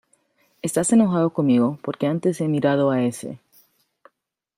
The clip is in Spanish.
estás enojado conmigo porque antes he mirado a ése...